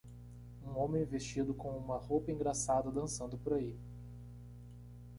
Um homem vestido com uma roupa engraçada dançando por aí.